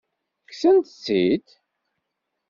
Kksent-tt-id?